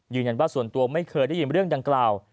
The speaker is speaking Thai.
ส่วนตัวไม่เคยได้ยินเรื่องดังกล่าว